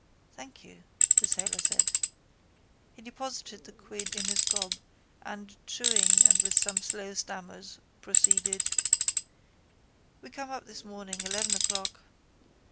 —Thank you, the sailor said. He deposited the quid in his gob and, chewing and with some slow stammers, proceeded: —We come up this morning eleven o'clock.